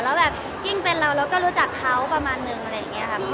แล้วแบบกิ้งเป็นเราเราก็รู้จักเขาประมาณนึงอะไรอย่างนี้ค่ะ